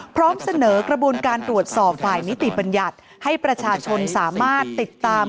พร้อมเสนอกระบวนการตรวจสอบฝ่ายนิติบัญญัติให้ประชาชนสามารถติดตาม